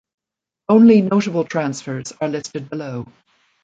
Only notable transfers are listed below.